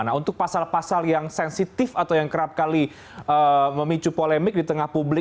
nah untuk pasal pasal yang sensitif atau yang kerap kali memicu polemik di tengah publik